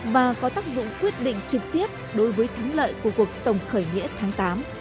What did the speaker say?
và có tác dụng quyết định trực tiếp đối với thắng lợi của cuộc tổng khởi nghĩa tháng tám